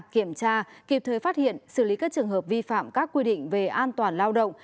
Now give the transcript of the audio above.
kiểm tra kịp thời phát hiện xử lý các trường hợp vi phạm các quy định về an toàn lao động